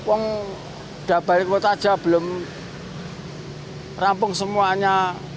wong udah balik kota aja belum rampung semuanya